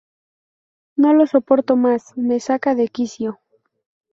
No lo soporto más. Me saca de quicio